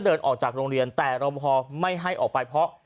เดินออกจากโรงเรียนแต่รบพอไม่ให้ออกไปเพราะ